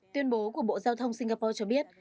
tuyên bố của bộ giao thông singapore cho biết